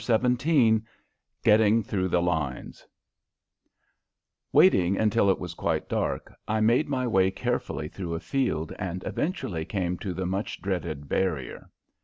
XVII GETTING THROUGH THE LINES Waiting until it was quite dark, I made my way carefully through a field and eventually came to the much dreaded barrier.